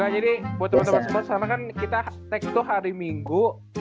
jadi buat temen temen semua karena kan kita tag itu hari minggu